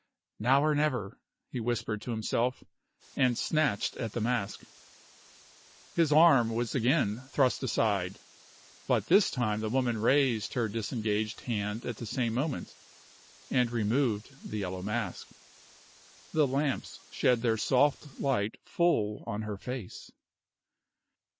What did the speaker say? "Now or never," he whispered to himself, and snatched at the mask. His arm was again thrust aside; but this time the woman raised her disengaged hand at the same moment, and removed the yellow mask. The lamps shed their soft light full on her face.